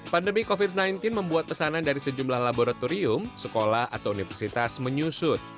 pandemi covid sembilan belas membuat pesanan dari sejumlah laboratorium sekolah atau universitas menyusut